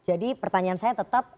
jadi pertanyaan saya tetap